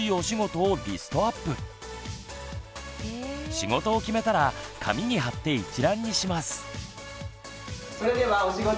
仕事を決めたら紙に貼って一覧にします。